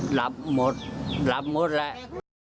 ดับหมดดับหมดแหละ